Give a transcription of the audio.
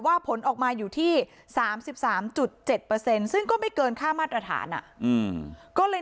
ผลออกมาอยู่ที่๓๓๗ซึ่งก็ไม่เกินค่ามาตรฐานก็เลย